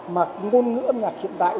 mà ngôn ngữ âm nhạc hiện đại